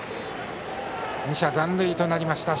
２者残塁となりました。